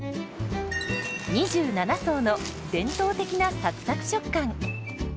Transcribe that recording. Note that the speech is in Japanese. ２７層の伝統的なサクサク食感。